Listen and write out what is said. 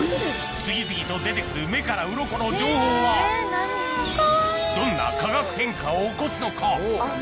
次々と出て来る目からうろこの情報はどんな化学変化を起こすのか？